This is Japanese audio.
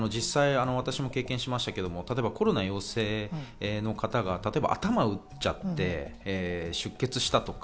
私も経験しましたが、コロナ陽性の方が例えば頭を打っちゃって、出血したとか。